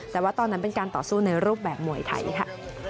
แต่ว่าตอนนั้นเป็นการต่อสู้ในรูปแบบมวยไทยค่ะ